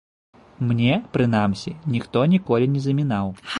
Мне, прынамсі, ніхто ніколі не замінаў.